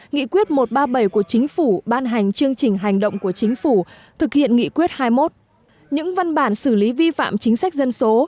nghị quyết một trăm ba mươi bảy của chính phủ ban hành chương trình hành động của chính phủ thực hiện nghị quyết hai mươi một những văn bản xử lý vi phạm chính sách dân số